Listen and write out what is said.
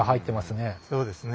そうですね。